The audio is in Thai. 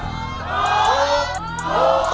ถูก